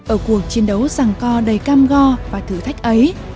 ở cuộc chiến đấu ràng co đầy cam go và thử thách ấy